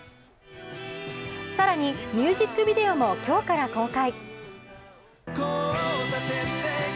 更にミュージックビデオも今日から公開。